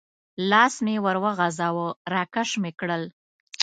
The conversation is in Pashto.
لاس مې ور وغځاوه، را کش مې کړل.